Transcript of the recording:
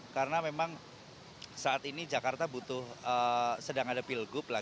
karena memang saat ini jakarta butuh sedang ada pilgub lah